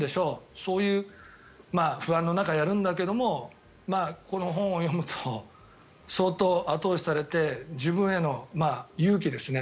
そういう不安の中やるんだけれどもこの本を読むと相当後押しされて自分への勇気ですね